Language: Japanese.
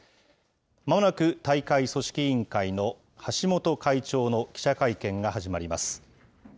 まもなく大会組織委員会の橋本会長の記者会見が始まります。